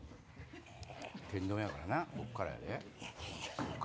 天丼やからなこっからやで。